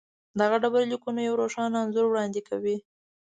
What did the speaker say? دغه ډبرلیکونه یو روښانه انځور وړاندې کوي.